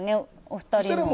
お二人の。